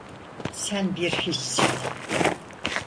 Sen bir hiçsin!